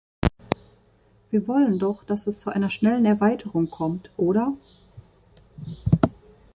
Wir wollen doch, dass es zu einer schnellen Erweiterung kommt, oder?